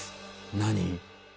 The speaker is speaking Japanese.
何？